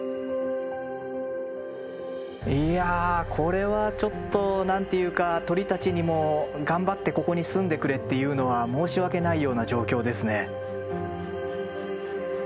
いやこれはちょっと何て言うか鳥たちにも頑張ってここに住んでくれっていうのは申し訳ないような状況ですね。